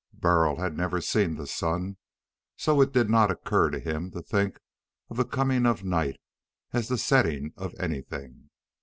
Burl had never seen the sun, so it did not occur to him to think of the coming of night as the setting of anything.